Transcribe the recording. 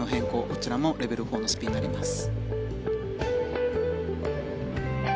こちらもレベル４のスピンになります。